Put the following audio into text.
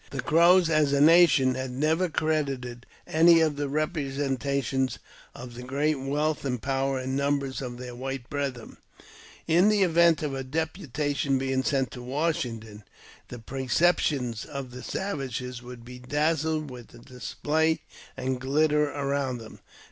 The Crows, a nation, had never credited any of the representations of tl great wealth, and power, and numbers of their white brethrei In the event of a deputation being sent to Washington, the preceptions of the savages would be dazzled with the display and glitter around them.